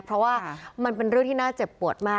เพราะว่ามันเป็นเรื่องที่น่าเจ็บปวดมาก